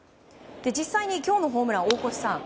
実際に今日のホームラン大越さん